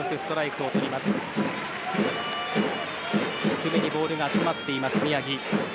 低めにボールが集まっている宮城。